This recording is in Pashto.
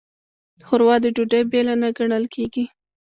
ښوروا د ډوډۍ بېله نه ګڼل کېږي.